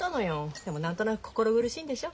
でも何となく心苦しいんでしょ。